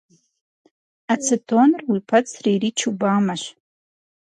Ацетоныр уи пэцыр иричу бамэщ.